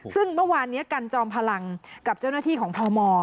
ซึ่งเมื่อวานนี้กันจอมพลังกับเจ้าหน้าที่ของพม